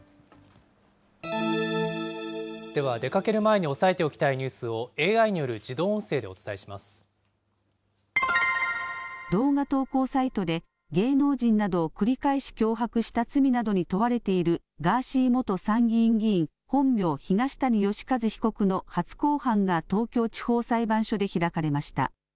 では、出かける前に押さえておきたいニュースをＡＩによる自動音声でお動画投稿サイトで、芸能人などを繰り返し脅迫した罪などに問われているガーシー元参議院議員、本名・東谷義和被告の初公判が東京地方裁判所で開かれました。